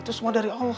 itu semua dari allah